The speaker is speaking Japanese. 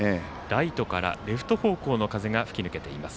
ライトからレフト方向の風が吹きぬけています。